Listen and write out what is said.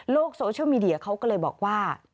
โซเชียลมีเดียเขาก็เลยบอกว่า